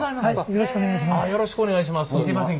よろしくお願いします。